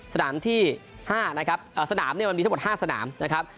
สนามที่๕นะครับสนามเนี่ยมันมีทั้งหมด๕สนามนะครับ